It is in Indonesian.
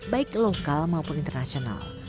baik lokal maupun internasional